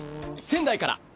仙台から。